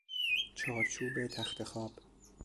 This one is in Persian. چارچوب تختخواب